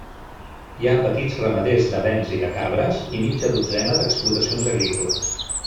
Hi ha petits ramaders de bens i de cabres, i mitja dotzena d'explotacions agrícoles.